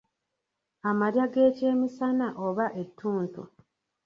Amalya g'ekyemisana oba ettuntu.